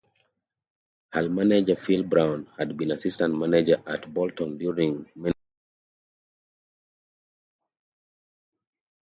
Hull manager Phil Brown had been assistant manager at Bolton during Mendy's time there.